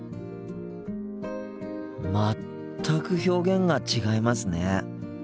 全く表現が違いますね。